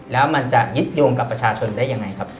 แล้วมันจะยึดโยงกับประชาชนได้ยังไงครับ